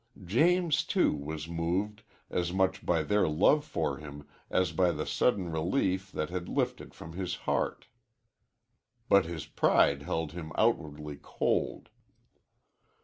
James, too, was moved, as much by their love for him as by the sudden relief that had lifted from his heart. But his pride held him outwardly cold.